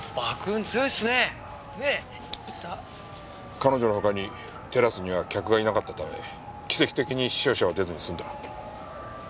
彼女の他にテラスには客がいなかったため奇跡的に死傷者は出ずに済んだ。